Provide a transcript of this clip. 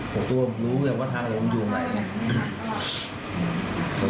ผมตัวผมรู้เรื่องว่าทางอะไรมันอยู่ไหนไหม